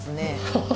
ハハハ